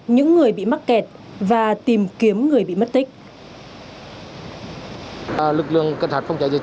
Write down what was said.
những người bị mắc kẹt và tìm kiếm người bị mất tích